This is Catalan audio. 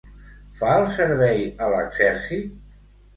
Fa el servei a l'exèrcit?